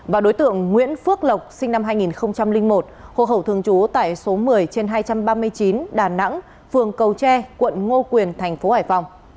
và đối tượng nguyễn phước lộc sinh năm hai nghìn một hộ khẩu thường trú tại số một mươi trên hai trăm ba mươi chín đà nẵng phường cầu tre quận ngô quyền tp hải phòng